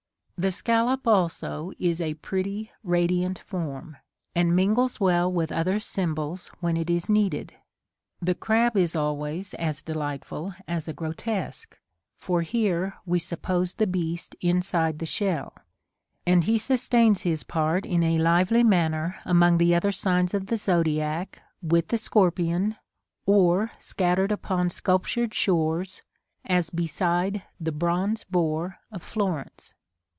The scallop also is a pretty radiant form, and mingles well with other symbols when it is needed. The crab is always as delightful as a grotesque, for here we suppose the beast inside the shell; and he sustains his part in a lively manner among the other signs of the zodiac, with the scorpion; or scattered upon sculptured shores, as beside the Bronze Boar of Florence.